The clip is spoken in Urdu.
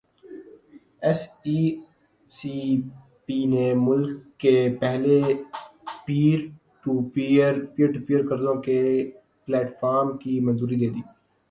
ایس ای سی پی نے ملک کے پہلے پیر ٹو پیر قرضوں کے پلیٹ فارم کی منظوری دے دی